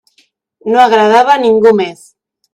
No agradava a ningú més.